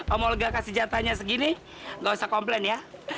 om olga kasih jatahnya segini nggak usah komplain ya